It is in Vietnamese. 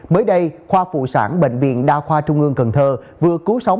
mới đây khoa phụ sản bệnh viện đa khoa trung ương cần thơ vừa cứu sống